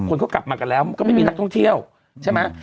คนเขากลับมากันแล้วก็ไม่มีนักท่องเที่ยวใช่ไหม